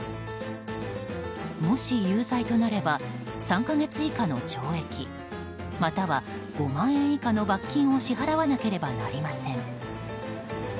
もし有罪となれば３か月以下の懲役または５万円以下の罰金を支払わなければなりません。